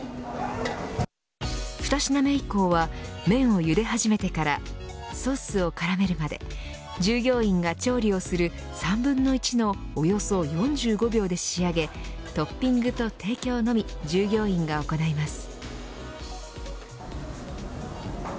２品目以降は麺をゆで始めてからソースを絡めるまで従業員が調理をする３分の１のおよそ４５秒で仕上げトッピングと提供のみ従業員が行います。